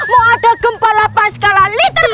mau ada gempa lapas skala liter